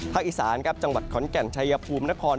อีสานครับจังหวัดขอนแก่นชัยภูมินคร